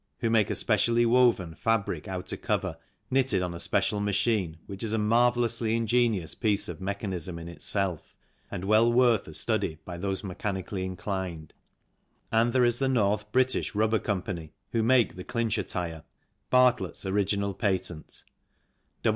who make a specially woven fabric outer cover knitted on a special machine which is a marvellously ingenious piece of mechanism in itself and well worth a study by those mechanically inclined. Then there is the North British Rubber Co., who make the Clincher tyre, Bartlett's original patent.